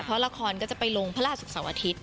เพราะละครก็จะไปลงพระราชศุกร์เสาร์อาทิตย์